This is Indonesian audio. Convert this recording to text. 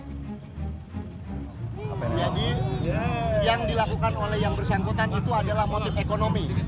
jadi yang dilakukan oleh yang bersengkutan itu adalah motif ekonomi